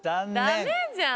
ダメじゃん。